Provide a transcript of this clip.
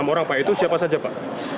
enam orang pak itu siapa saja pak